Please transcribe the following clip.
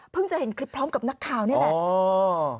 จะเห็นคลิปพร้อมกับนักข่าวนี่แหละ